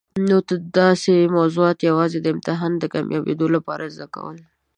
نو داسي موضوعات یوازي د امتحان کامیابېدو لپاره زده کول.